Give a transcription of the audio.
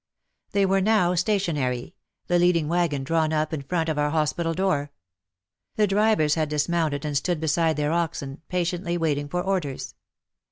They were now stationary, the leading waggon drawn up in front of our hospital door. The drivers had dismounted and stood beside their oxen, WAR AND WOMEN 117 patiently waiting for orders.